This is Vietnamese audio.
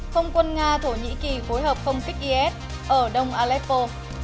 không quân nga thổ nhĩ kỳ phối hợp không kích is ở đông aleppo